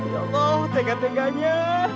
ya allah tengah tengahnya